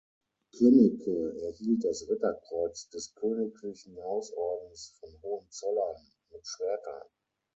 Könnecke erhielt das Ritterkreuz des Königlichen Hausordens von Hohenzollern mit Schwertern.